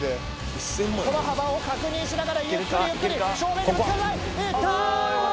この幅を確認しながらゆっくりゆっくり正面にぶつからない行った！